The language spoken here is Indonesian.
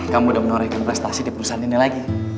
kamu sudah menorekan prestasi di perusahaan ini lagi